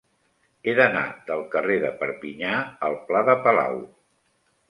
He d'anar del carrer de Perpinyà al pla de Palau.